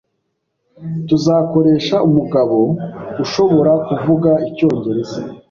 Tuzakoresha umugabo ushobora kuvuga icyongereza.